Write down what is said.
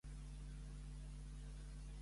Qui feu un tria d'algunes d'aquestes descobertes?